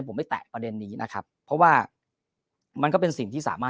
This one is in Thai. ผมไม่แตะประเด็นนี้นะครับเพราะว่ามันก็เป็นสิ่งที่สามารถ